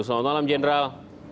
selamat malam general